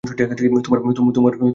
তোমার গলায়ও একটা আছে।